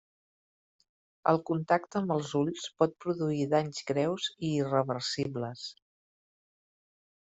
El contacte amb els ulls pot produir danys greus i irreversibles.